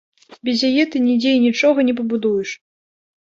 Без яе ты нідзе і нічога не пабудуеш.